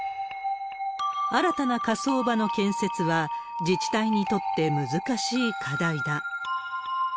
新たな火葬場の建設は、自治体にとって難しい課題だ。